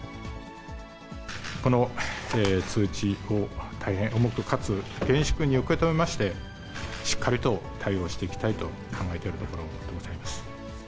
この通知を大変重く、かつ厳粛に受け止めまして、しっかりと対応していきたいと考えているところでございます。